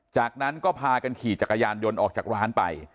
จากนั้นก็พากันขี่จักรยานยนต์ออกจากร้านไป